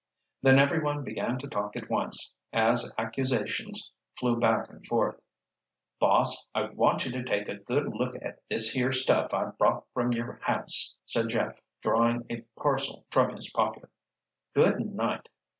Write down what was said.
Then everyone began to talk at once, as accusations flew back and forth. "Boss, I want you to take a look at this here stuff I brought from your house," said Jeff, drawing a parcel from his pocket. "Good night!"